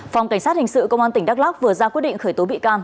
phòng cảnh sát hình sự công an tỉnh đắk lắc vừa ra quyết định khởi tố bị can